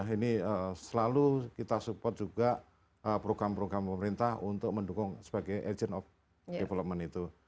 ini selalu kita support juga program program pemerintah untuk mendukung sebagai agent of development itu